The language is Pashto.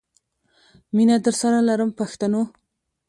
مینه درسره لرم پښتنو.